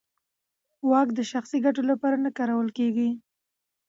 واک د شخصي ګټو لپاره نه کارول کېږي.